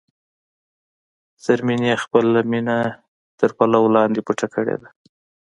زرمینې خپله مینه تر پلو لاندې پټه کړې ده.